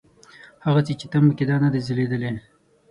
هغسې چې تمه کېده نه ده ځلېدلې.